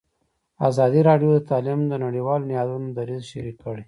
ازادي راډیو د تعلیم د نړیوالو نهادونو دریځ شریک کړی.